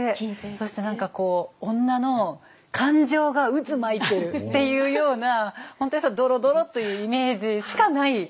そして何かこう女の感情が渦巻いてるっていうような本当にドロドロというイメージしかない。